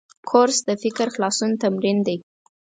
کورس د فکر خلاصولو تمرین دی.